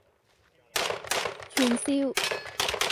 串燒